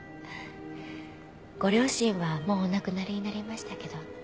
ご両親はもうお亡くなりになりましたけど。